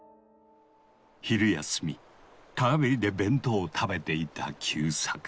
昼休み川べりで弁当を食べていた久作。